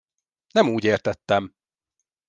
Nem úgy értettem!